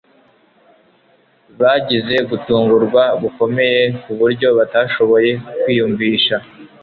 Bagize gutungurwa gukomeye ku buryo batashoboye kwiyumvisha